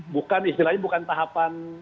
bukan istilahnya tahapan